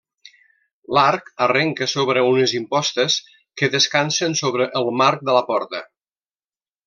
L'arc arrenca sobre unes impostes que descansen sobre el marc de la porta.